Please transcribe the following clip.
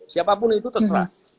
siapapun itu terserah